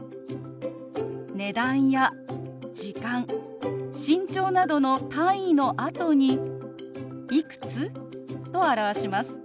値段や時間身長などの単位のあとに「いくつ？」と表します。